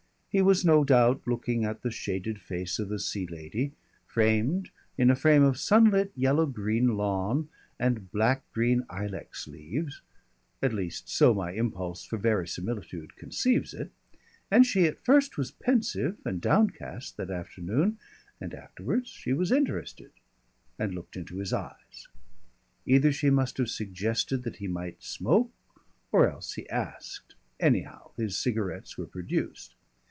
He was no doubt looking at the shaded face of the Sea Lady, framed in a frame of sunlit yellow green lawn and black green ilex leaves at least so my impulse for verisimilitude conceives it and she at first was pensive and downcast that afternoon and afterwards she was interested and looked into his eyes. Either she must have suggested that he might smoke or else he asked. Anyhow, his cigarettes were produced.